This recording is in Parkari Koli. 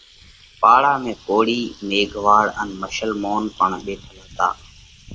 پاڙا ۾ ڪوۯِي، ميگھواۯ ان مشلمونَ پڻ ٻيٺل هتا۔